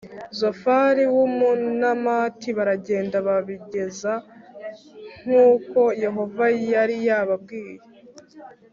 Zofari w’Umunamati baragenda babigenza nk ‘uko Yehova yari yababwiye